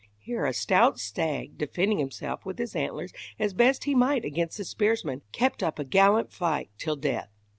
Here a stout stag, defending himself with his antlers as best he might against the spearsmen, kept up a gallant fight till death.